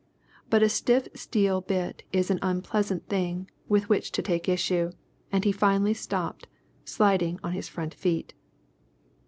But a stiff steel bit is an unpleasant thing with which to take issue, and he finally stopped, sliding on his front feet.